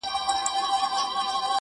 اوس مي حافظه ډيره قوي گلي ـ